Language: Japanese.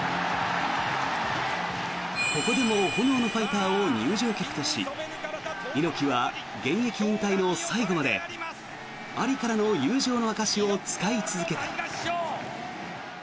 ここでも「炎のファイター」を入場曲とし猪木は現役引退の最後までアリからの友情の証しを使い続けた。